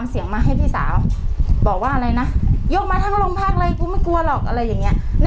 เนี้ยรออยู่หน้าบ้านเนี้ยอะไรอย่างเงี้ยแต่พอกลับมาเข้าจริงจริงก็คือไม่เจอ